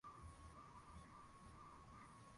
iliojaa furaha na amani muziki